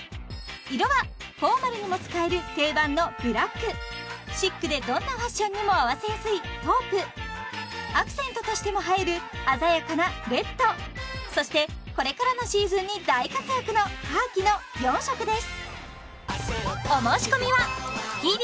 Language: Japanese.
色はフォーマルにも使える定番のブラックシックでどんなファッションにも合わせやすいトープアクセントとしても映える鮮やかなレッドそしてこれからのシーズンに大活躍のカーキの４色です